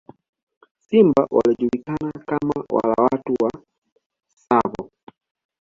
Simba waliojulikana kama wala watu wa Tsavo